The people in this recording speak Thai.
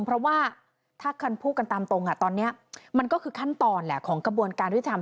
เพราะว่าถ้าคำพูดกันตามตรงตอนนี้มันก็คือขั้นตอนแหละของกระบวนการยุทธรรม